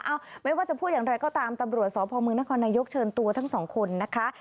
ไม่ว่าจะพูดอย่างไรก็ตามตำรวจสพมนครนายกเชิญตัวทั้งสองคนนะคะ